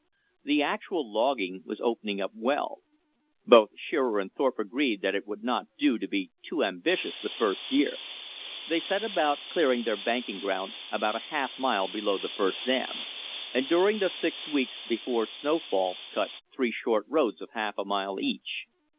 The actual logging was opening up well. Both Shearer and Thorpe agreed that it would not do to be too ambitious the first year. They set about clearing their banking ground about a half mile below the first dam; and during the six weeks before snow fall cut three short roads of half a mile each.